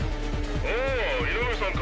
おお井上さんか。